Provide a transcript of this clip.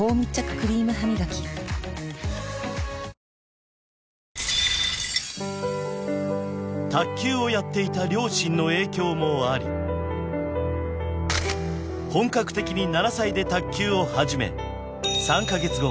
クリームハミガキ卓球をやっていた両親の影響もあり本格的に７歳で卓球を始め３カ月後